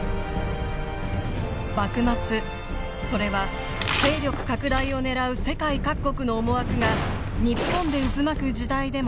幕末それは勢力拡大をねらう世界各国の思惑が日本で渦巻く時代でもあったのです。